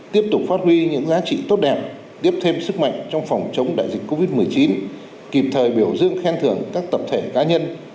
tiếp tục phát huy những giá trị tốt đẹp tiếp thêm sức mạnh trong phòng chống đại dịch covid một mươi chín kịp thời biểu dương khen thưởng các tập thể cá nhân